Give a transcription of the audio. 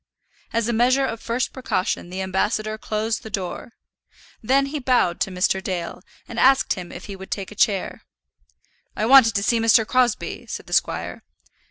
As a measure of first precaution the ambassador closed the door; then he bowed to Mr. Dale, and asked him if he would take a chair. "I wanted to see Mr. Crosbie," said the squire.